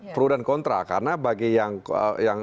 pro dan kontra karena bagi yang